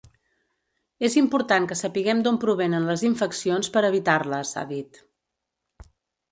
És important que sapiguem d’on provenen les infeccions per evitar-les, ha dit.